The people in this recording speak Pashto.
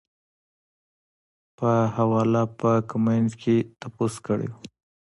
پۀ حواله پۀ کمنټ کښې تپوس کړے وۀ -